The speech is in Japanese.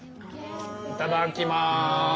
いただきます。